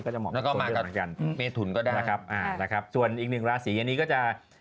ก็จะแมตช์กับราศีเมศกับเมศ